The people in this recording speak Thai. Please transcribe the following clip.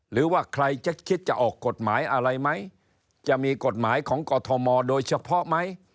หรือว่าใครจะคิดจะออกกฎหมายอะไรไหมจะมีกฎหมายของกรทมโดยเฉพาะไหม